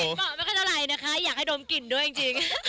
ขับไม่ค่อนไหลนะคะอยากให้ดมกลิ่นด้วยจริง